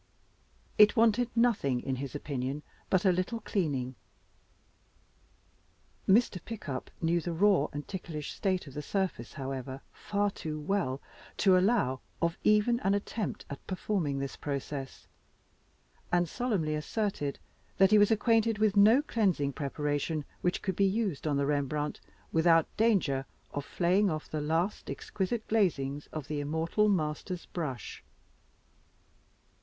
It wanted nothing, in his opinion, but a little cleaning. Mr. Pickup knew the raw and ticklish state of the surface, however, far too well, to allow of even an attempt at performing this process, and solemnly asserted, that he was acquainted with no cleansing preparation which could be used on the Rembrandt without danger of "flaying off the last exquisite glazings of the immortal master's brush."